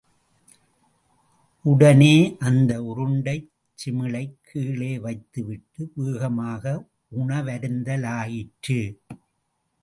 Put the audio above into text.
உடனே அந்த உருண்டைச் சிமிழைக் கீழே வைத்துவிட்டு வேகமாக உணவருந்தலாயிற்று.